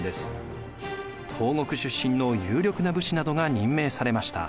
東国出身の有力な武士などが任命されました。